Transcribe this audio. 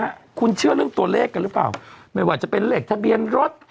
ฮะคุณเชื่อเรื่องตัวเลขกันหรือเปล่าไม่ว่าจะเป็นเลขทะเบียนรถ